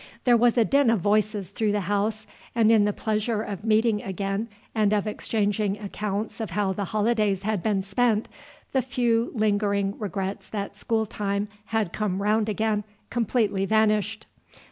There was a din of voices through the house, and in the pleasure of meeting again and of exchanging accounts of how the holidays had been spent, the few lingering regrets that school time had come round again completely vanished.